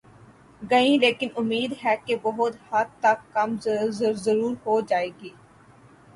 گی لیکن امید ہے کہ بہت حد تک کم ضرور ہو جائیں گی۔